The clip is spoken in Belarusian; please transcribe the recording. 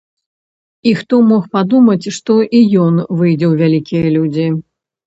І хто мог падумаць, што і ён выйдзе ў вялікія людзі!